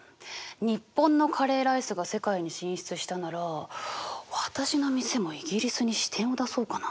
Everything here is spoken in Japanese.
日本のカレーライスが世界に進出したなら私の店もイギリスに支店を出そうかな？